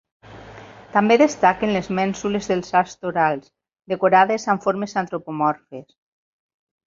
També destaquen les mènsules dels arcs torals, decorades amb formes antropomorfes.